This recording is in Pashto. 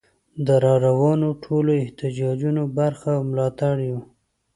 د روانو ټولو احتجاجونو برخه او ملاتړ یو.